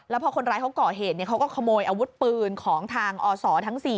แล้วพอคนร้ายเขาก่อเหตุเขาก็ขโมยอาวุธปืนของทางอศทั้ง๔